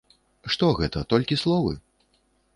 Што гэта, толькі словы?